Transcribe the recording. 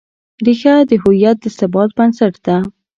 ریښه د هویت د ثبات بنسټ ده.